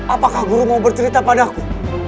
apakah guru mau bercerita padaku